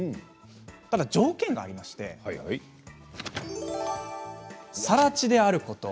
ただ条件がありましてさら地であること。